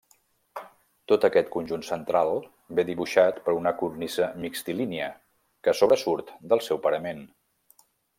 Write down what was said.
Tot aquest conjunt central ve dibuixat per una cornisa mixtilínia que sobresurt del seu parament.